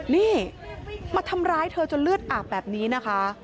นี่มาทำร้ายเธอจนเลือดอาบแบบนี้นะคะ